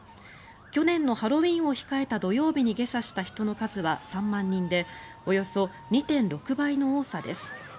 去年のハロウィーンを控えた土曜日に下車した人の数は３万人でおよそ２．６倍の多さです。